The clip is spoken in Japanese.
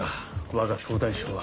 わが総大将は。